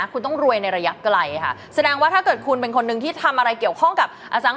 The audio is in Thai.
คุณต้องรวยในระยะไกลค่ะแสดงว่าถ้าเกิดคุณเป็นคนหนึ่งที่ทำอะไรเกี่ยวข้องกับอสังหา